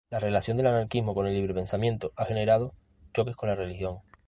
La relación del anarquismo con el librepensamiento ha generado choques con la religión.